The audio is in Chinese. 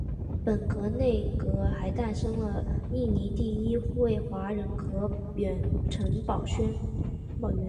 本届内阁还诞生了印尼第一位华人阁员陈宝源。